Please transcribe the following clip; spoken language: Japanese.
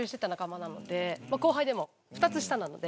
後輩でも２つ下なので。